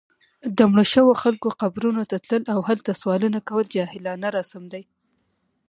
د مړو شوو خلکو قبرونو ته تلل، او هلته سوالونه کول جاهلانه رسم دی